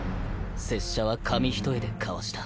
拙者は紙一重でかわした。